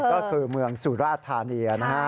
ก็คือเมืองสุราธานีนะฮะ